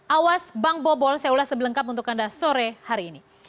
awas bank bobol saya ulas sebelengkap untuk anda sore hari ini